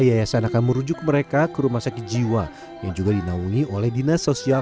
yayasan akan merujuk mereka ke rumah sakit jiwa yang juga dinaungi oleh dinas sosial